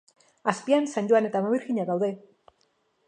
Azpian San Joan eta Ama Birjina daude.